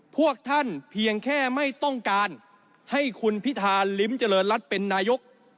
พวกท่านเพียงแค่ไม่ต้องการให้คุณพิธาลิ้มเจริญรัฐเป็นนายก